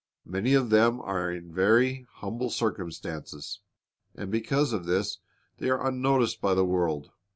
Many of them are in very humble circumstances, and because of this they are unnoticed by the world.